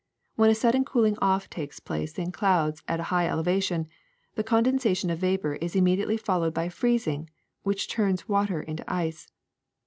When a sudden cooling off takes place in clouds at a high elevation, the condensation of vapor is immediately followed by freezing, which turns water into ice.